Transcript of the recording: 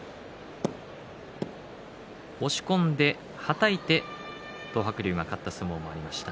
押し込んで、はたいて東白龍が勝った相撲もありました。